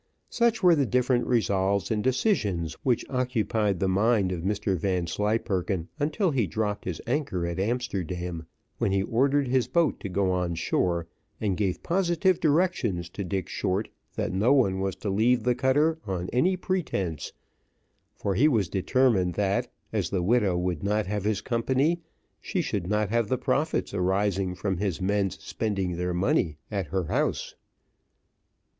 Such were the different resolves and decisions which occupied the mind of Mr Vanslyperken until he dropped his anchor at Amsterdam, when he ordered his boat to go on shore, and gave positive directions to Dick Short that no one was to leave the cutter on any pretence, for he was determined that as the widow would not have his company, she should not have the profits arising from his men spending their money at her house.